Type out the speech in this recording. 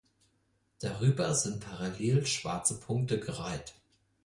Darüber sind parallel schwarze Punkte gereiht.